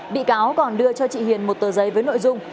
bị cáo còn đưa cho chị hiền một tờ giấy với nội dung